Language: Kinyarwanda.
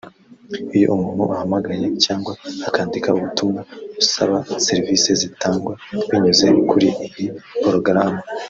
Iyo umuntu ahamagaye cyangwa akandika ubutumwa asaba serivisi zitangwa binyuze kuri iyi porogaramu